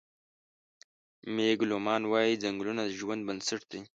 مېګ لومان وايي: "ځنګلونه د ژوند بنسټ دی.